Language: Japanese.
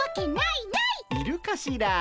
いるかしら？